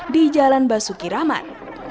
di jalan basuki raman